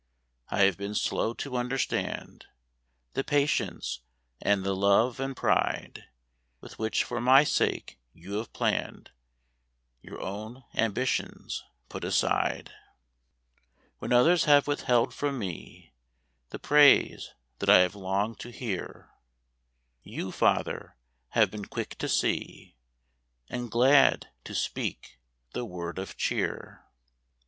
I have been slow to understand The patience and the love and pride "With which for my sake you have hour own ambitions put aside. from me The praise that I have longed to hear, Y>u, Father, have been quick to see Ar^d glad to speak the word of cheer.